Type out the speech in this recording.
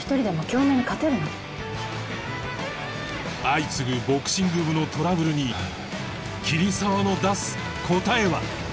相次ぐボクシング部のトラブルに桐沢の出す答えは？